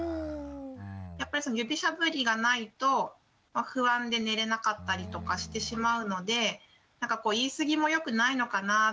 やっぱり指しゃぶりがないと不安で眠れなかったりとかしてしまうのでなんか言い過ぎもよくないのかなって。